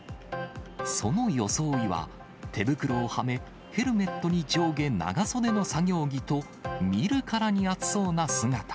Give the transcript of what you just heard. その装いは、手袋をはめ、ヘルメットに上下長袖の作業着と、見るからに暑そうな姿。